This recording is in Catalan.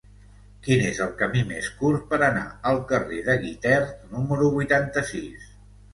Quin és el camí més curt per anar al carrer de Guitert número vuitanta-sis?